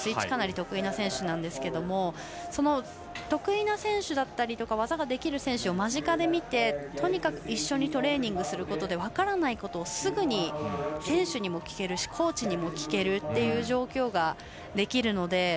かなり得意な選手ですが得意な選手だったりとか技ができる選手を間近で見て、とにかく一緒にトレーニングをすることで分からないことをすぐに選手にも聞けるしコーチにも聞けるっていう状況ができるので。